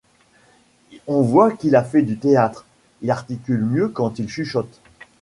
On voit qu’il a fait du théâtre : il articule mieux quand il chuchote.